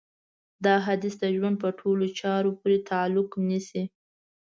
دا حديث د ژوند په ټولو چارو پورې تعلق نيسي.